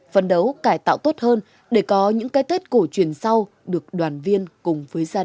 phấn đấu cải tạo tốt hơn để có những cái tết cổ truyền sau được đoàn viên